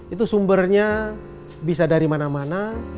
itu sumbernya bisa dari mana mana